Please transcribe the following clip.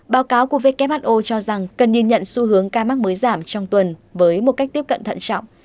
báo cáo của who cho rằng cần nhìn nhận xu hướng ca mắc mới giảm trong tuần với một cách tiếp cận thận trọng